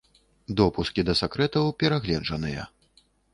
Допускі да сакрэтаў перагледжаныя.